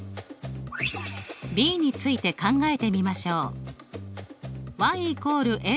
ｂについて考えてみましょう。